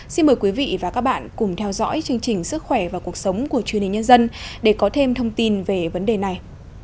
xin mời quý vị và các bạn cùng theo dõi chương trình sức khỏe và cuộc sống của truyền hình nhân dân để có thêm thông tin về vấn đề này